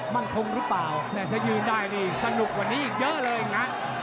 มั่นคงหรือเปล่าถ้ายืนได้นี่สนุกกว่านี้อีกเยอะเลยนะ